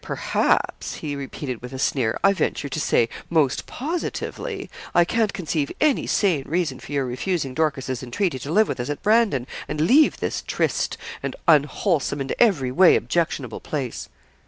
'Perhaps,' he repeated with a sneer; 'I venture to say, most positively, I can't conceive any sane reason for your refusing Dorcas's entreaty to live with us at Brandon, and leave this triste, and unwholesome, and everyway objectionable place.'